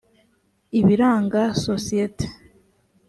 ibiranga isosiyete